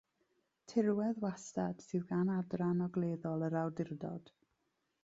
Tirwedd wastad sydd gan adran ogleddol yr awdurdod.